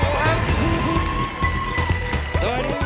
โอ้โหอหมูครับ